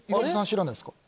知らないですか？